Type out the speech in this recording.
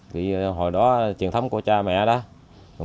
thì hồi đó truyền thống của cha mẹ đó